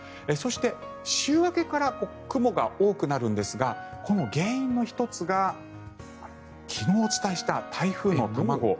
そして、週明けから雲が多くなるんですがこの原因の１つが昨日お伝えした台風の卵。